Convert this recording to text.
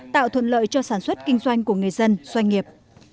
tạo thuận lợi cho sản xuất kinh doanh của người dân doanh nghiệp